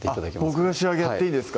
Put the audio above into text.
僕が仕上げやっていいんですか？